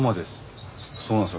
そうなんです